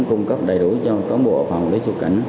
cung cấp đầy đủ cho cán bộ phòng quản lý xuất cảnh